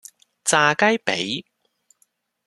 炸雞脾